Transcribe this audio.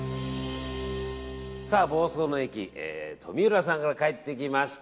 房総の駅とみうらさんから帰ってきました。